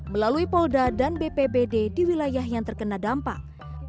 melalui polda dan bpbd di wilayah yang terkena dampak